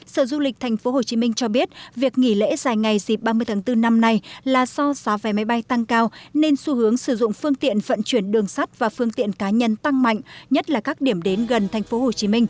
sở du lịch tp hcm cho biết việc nghỉ lễ dài ngày dịp ba mươi tháng bốn năm nay là do giá vé máy bay tăng cao nên xu hướng sử dụng phương tiện vận chuyển đường sắt và phương tiện cá nhân tăng mạnh nhất là các điểm đến gần tp hcm